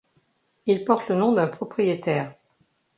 Il porte le nom d'un propriétaire.